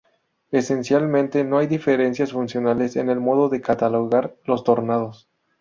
Esencialmente no hay diferencias funcionales en el modo de catalogar los tornados.